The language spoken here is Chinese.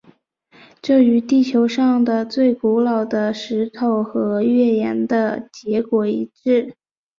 这与地球上的最古老的石头和月岩的结果一致。